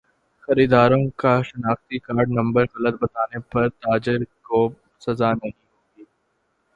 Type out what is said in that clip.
خریداروں کا شناختی کارڈ نمبر غلط بتانے پر تاجر کو سزا نہیں ہوگی